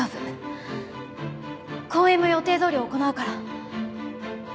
公演も予定どおり行うから。